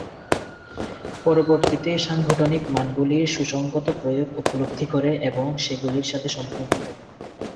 পরবর্তীতে সাংগঠনিক মানগুলির সুসংগত প্রয়োগ উপলব্ধি করে এবং সেগুলির সাথে সম্পর্কিত।